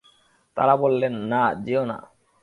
তাঁরা বললেন, না, যেয়ো না।